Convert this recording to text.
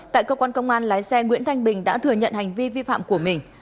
tại cơ quan công an lái xe nguyễn thanh bình đã thừa nhận hành vi vi phạm của mình